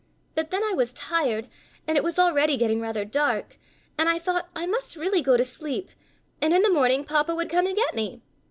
But then I was tired—and it was already getting rather dark—and I thought, I must really go to sleep, and in the morning Papa would come and get me.